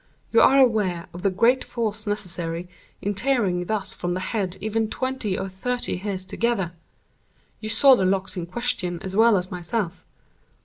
You are aware of the great force necessary in tearing thus from the head even twenty or thirty hairs together. You saw the locks in question as well as myself.